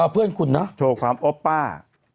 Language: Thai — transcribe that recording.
เพื่อนคุณนะโชว์ความโอปป้า